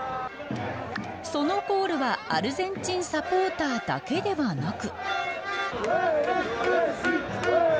そのコールはアルゼンチンサポーターだけではなく。